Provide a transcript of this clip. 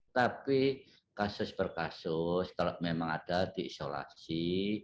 tapi kasus berkasus kalau memang ada diisolasi